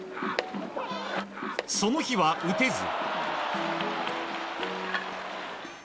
その日は打てず。